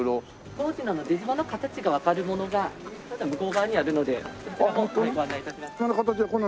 当時の出島の形がわかるものが向こう側にあるのでそちらご案内致します。